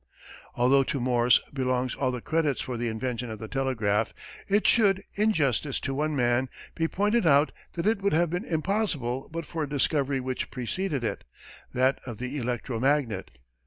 Although to Morse belongs all the credit for the invention of the telegraph, it should, in justice to one man, be pointed out that it would have been impossible but for a discovery which preceded it that of the electro magnet.